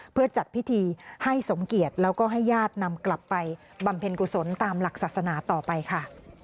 เพื่อจัดพิธีให้สมเกียจแล้วก็ให้ญาตินำกลับไปบำเพ็ญกุศลตามหลักศาสนาต่อไปค่ะ